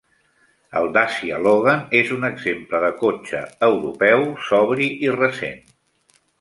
El Dacia Logan és un exemple de cotxe europeu sobri i recent.